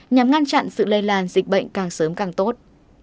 nhằm ngăn chặn sự lây lan dịch bệnh càng sớm càng tốt